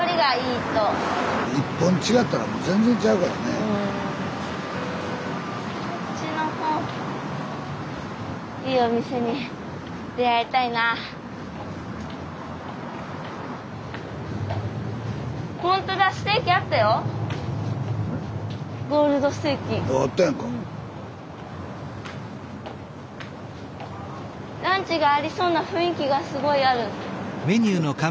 ランチがありそうな雰囲気がすごいある。